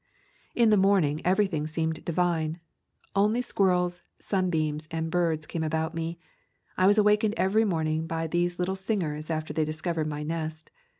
In the morning everything seemed divine. Only squirrels, sunbeams, and birds came about me. I was awakened every morning by these little singers after they discovered my nest.